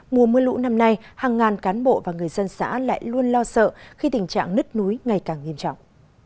mùa mưa lũ năm nay hàng ngàn cán bộ và người dân xã lại luôn lo sợ khi tình trạng nứt núi ngày càng nghiêm trọng